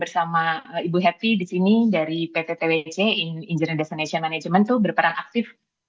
sama ibu hattie di sini dari pttwc in journey destination management itu berperan aktif